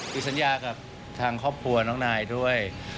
คือสัญญากับทางครอบครัวน้องนายด้วย